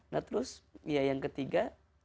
nah terus ya yang ketiga